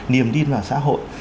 niềm tin vào xã hội